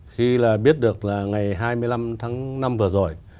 khi là biết được là ngày hai mươi năm tháng năm vừa rồi